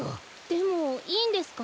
でもいいんですか？